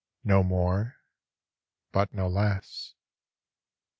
No more ? But no less.